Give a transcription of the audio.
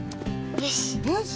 よし。